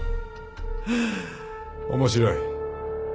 面白い。